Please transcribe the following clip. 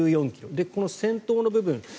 この先頭の部分